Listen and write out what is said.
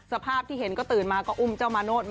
สภาพที่เห็นก็ตื่นมาก็อุมเจ้ามาโน้ตแมวตัวปก